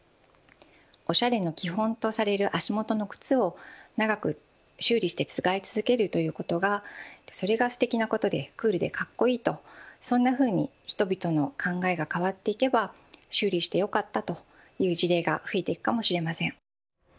おしゃれの基本とされる足元の靴を長く修理して使い続けるということがそれがすてきなことでクールでかっこいいとそんなふうに人々の考えが変わっていけば修理して良かったとそういう事例が増えていくかもしれません。